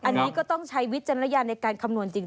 อันนี้ก็ต้องใช้วิจารณญาณในการคำนวณจริง